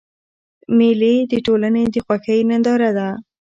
مېلې د ټولني د خوښۍ ننداره ده.